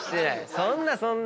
そんなそんな。